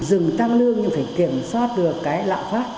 dừng tăng lương nhưng phải kiểm soát được lạo pháp